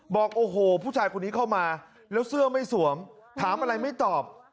บอกโอ้โหผู้ชายคนนี้เข้ามาแล้วเสื้อไม่สวมถามอะไรไม่ตอบ